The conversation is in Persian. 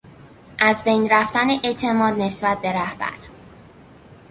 ازبین رفتن اعتماد نسبت به رهبر